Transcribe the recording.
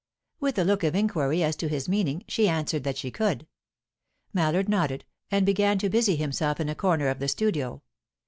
With a look of inquiry as to his meaning, she answered that she could. Mallard nodded, and began to busy himself in a corner of the studio.